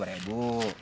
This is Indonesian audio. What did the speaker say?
nah nih bang